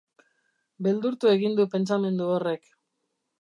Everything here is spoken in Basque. Beldurtu egin du pentsamendu horrek.